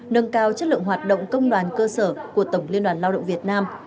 nâng cao chất lượng hoạt động công đoàn cơ sở của tổng liên đoàn lao động việt nam